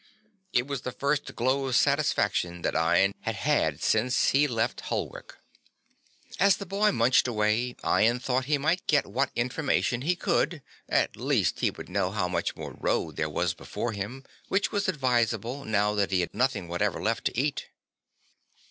It was the first glow of satisfaction that Ian had had since he left Holwick. As the boy munched away Ian thought he might get what information he could; at least he would know how much more road there was before him, which was advisable now that he had nothing whatever left to eat.